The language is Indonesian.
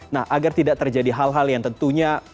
nah agar tidak terjadi hal hal yang tidak terjadi di dalam kota ini ya